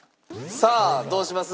さあどうします？